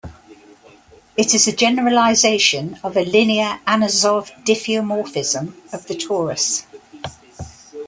It is a generalization of a linear Anosov diffeomorphism of the torus.